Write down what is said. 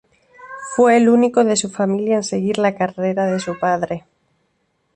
Fue el único de su familia en seguir la carrera de su padre.